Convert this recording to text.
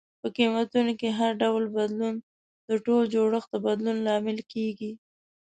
په قیمتونو کې هر ډول بدلون د ټول جوړښت د بدلون لامل کیږي.